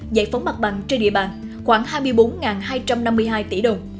giải phóng mặt bằng trên địa bàn khoảng hai mươi bốn hai trăm năm mươi hai tỷ đồng